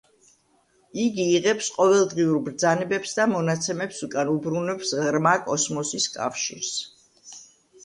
იგი იღებს ყოველდღიურ ბრძანებებს და მონაცემებს უკან უბრუნებს „ღრმა კოსმოსის კავშირს“.